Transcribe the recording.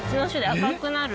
赤くなる。